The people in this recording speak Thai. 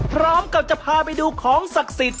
พร้อมกับจะพาไปดูของศักดิ์สิทธิ